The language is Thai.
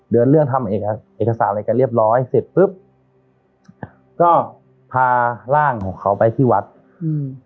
เรื่องทำเอกสารอะไรกันเรียบร้อยเสร็จปุ๊บก็พาร่างของเขาไปที่วัดอืม